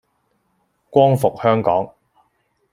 光復香港